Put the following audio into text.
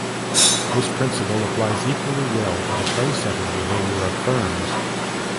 This principle applies equally well to the price-setting behavior of firms.